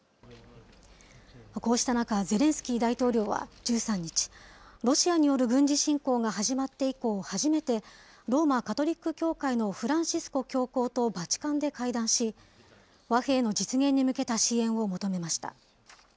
こうした中、ゼレンスキー大統領は１３日、ロシアによる軍事侵攻が始まって以降初めて、ローマ・カトリック教会のフランシスコ教皇とバチカンで会談し、和平の実現に向けた支援を求めました。